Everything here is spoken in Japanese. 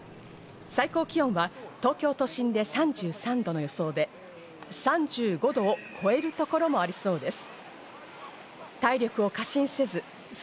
最高気温は東京都心で３３度の予想で、３５度を超えるところもありそうです。